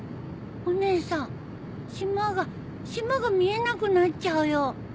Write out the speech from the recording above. お姉さん島が島が見えなくなっちゃうよ。